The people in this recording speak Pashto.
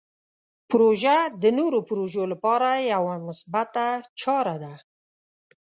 پروژه د نوو پروژو لپاره یوه مثبته چاره ده.